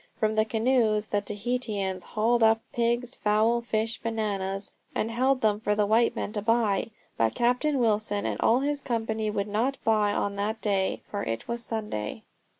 From the canoes the Tahitians hauled up pigs, fowl, fish, bananas, and held them for the white men to buy. But Captain Wilson and all his company would not buy on that day for it was Sunday.